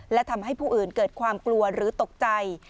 และทำให้ผู้อื่นเกิดความกลัวหรือตกใจ